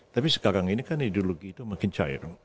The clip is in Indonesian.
tapi sekarang ini kan ideologi itu makin cair